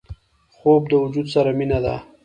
خوب د وجود سره مینه ده